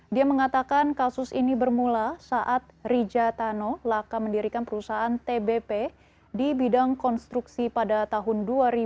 dia mengatakan kasus ini bermula saat rija tano laka mendirikan perusahaan tbp di bidang konstruksi pada tahun dua ribu dua